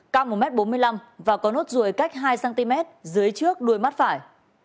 cao một m bốn mươi năm và có nốt ruồi cách hai cm dưới trước đuôi mắt phải